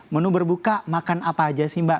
menu berbuka makan apa aja sih mbak